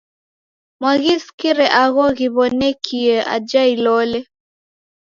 Mwaghisikire agho ghiw'onekie aja Ilole?